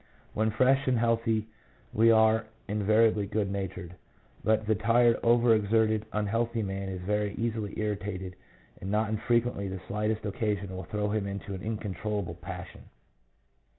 When fresh and healthy we are in variably good natured ; but the tired, over exerted, unhealthy man is very easily irritated, and not infre quently the slightest occasion will throw him into incontrollable passion.